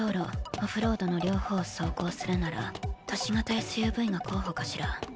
オフロードの両方を走行するなら都市型ＳＵＶが候補かしら。